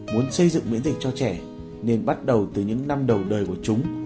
muốn xây dựng miễn dịch cho trẻ nên bắt đầu từ những năm đầu đời của chúng